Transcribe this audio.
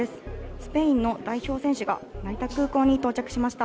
スペインの代表選手が成田空港に到着しました。